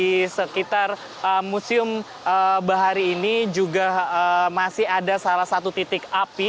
di sekitar museum bahari ini juga masih ada salah satu titik api